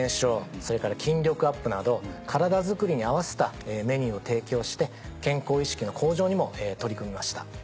それから筋力アップなどカラダづくりに合わせたメニューを提供して健康意識の向上にも取り組みました。